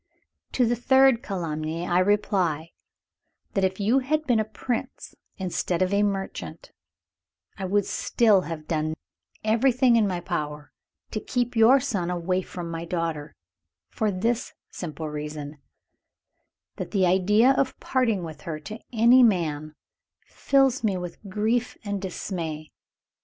"To the third calumny, I reply, that if you had been a Prince instead of a merchant, I would still have done everything in my power to keep your son away from my daughter for this simple reason, that the idea of parting with her to any man fills me with grief and dismay.